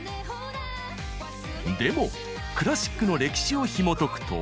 でもクラシックの歴史をひもとくと。